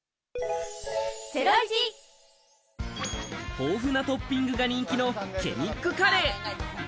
豊富なトッピングが人気のケニックカレー。